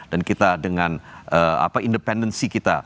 dan kita dengan independensi kita